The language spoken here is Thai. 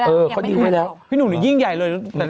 เล่นหาหลายเหมือนแหละใครอะ